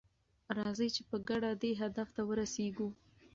راځئ چې په ګډه دې هدف ته ورسیږو.